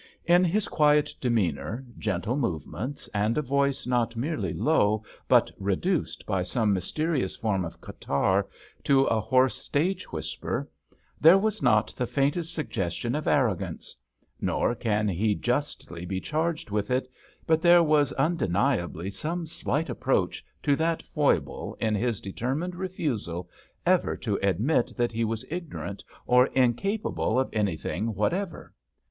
In his quiet demeanour, gentle movements, and a voice not merely low, but reduced by some mysterious form of catarrh to a hoarse stage whisper, there was not the faintest suggestion of arrogance ; nor can he justly be charged with it, but there was undeni ably some slight approach to that foible in 62 OLD THOMAS his determined refusal ever to admit that he was ignorant or incapable of anything whatever.